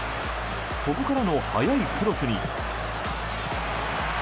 そこからの速いクロスに。